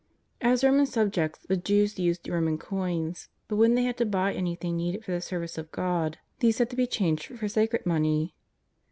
As Roman subjects the Jews used Poman coins, but when they had to buy anything needed for the service of God, tliese had to be changed for eacred money.